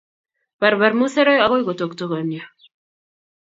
barbar musarek agoi kotoktokanio